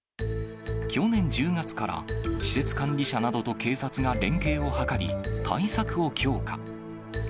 去年１０月から施設管理者などと警察が連携を図り、対策を強化。